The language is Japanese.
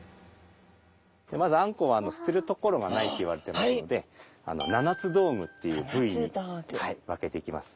まずあんこうは捨てる所がないといわれてますので七つ道具っていう部位に分けていきます。